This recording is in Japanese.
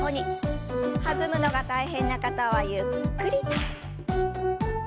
弾むのが大変な方はゆっくりと。